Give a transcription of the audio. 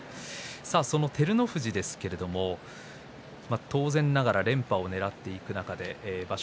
その照ノ富士ですが当然ながら連覇をねらっていく中で場所